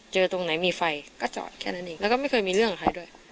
ตรงไหนมีไฟก็จอดแค่นั้นเองแล้วก็ไม่เคยมีเรื่องกับใครด้วย